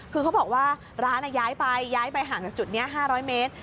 คือเขาบอกว่าร้านย้ายไปย้ายไปห่างจากจุดนี้๕๐๐เมตร